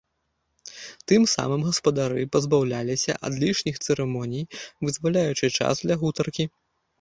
Тым самым гаспадары пазбаўляліся ад лішніх цырымоній, вызваляючы час для гутаркі.